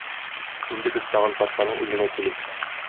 Инде без тагын патшаның үзенә килик.